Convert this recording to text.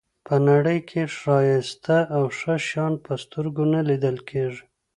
په نړۍ کې ښایسته او ښه شیان په سترګو نه لیدل کېږي.